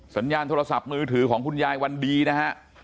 สัญญาณโทรศัพท์มือถือของคุณยายวันดีนะฮะ